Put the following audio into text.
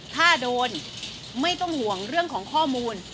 ถ้าโดนไม่ต้องห่วงเรื่องของข้อมูล